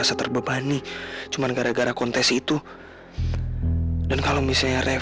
aku kasih s inde